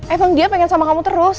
emang dia pengen sama kamu terus